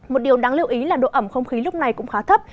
một điều đáng lưu ý là độ ẩm không khí lúc này cũng khá thấp